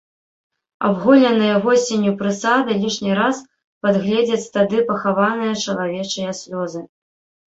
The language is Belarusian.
Абголеныя восенню прысады лішні раз падгледзяць тады пахаваныя чалавечыя слёзы.